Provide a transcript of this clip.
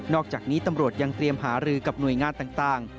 อกจากนี้ตำรวจยังเตรียมหารือกับหน่วยงานต่าง